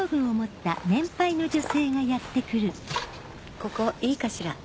ここいいかしら？